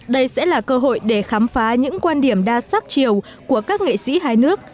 đây sẽ là cơ hội để khám phá những quan điểm đa sắc chiều của các nghệ sĩ hai nước